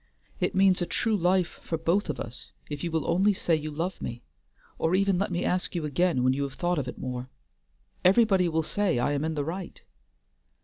It means a true life for both of us if you will only say you love me, or even let me ask you again when you have thought of it more. Everybody will say I am in the right."